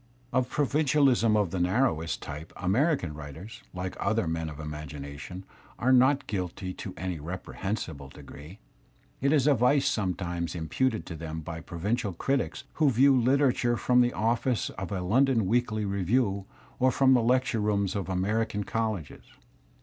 Of provincialism of the narrowest type American writers, like other men of imagination, are not guilty to any reprehen sible degree. It is a vice sometimes imputed to them by provincial critics who view literature from the office of a London weekly review or from the lecture rooms of American \ colleges.